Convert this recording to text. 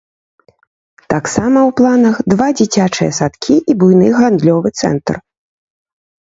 Таксама ў планах два дзіцячыя садкі і буйны гандлёвы цэнтр.